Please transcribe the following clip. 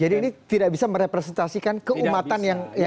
jadi ini tidak bisa merepresentasikan keumatan yang